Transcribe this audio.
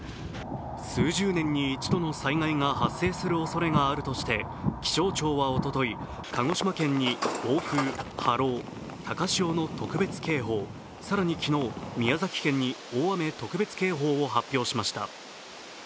数十年に一度の災害が発生するおそれがあるとして気象庁はおととい、鹿児島県に暴風・波浪・高潮の特別警報、更に昨日、宮崎県に大雨特別警報を発表しました。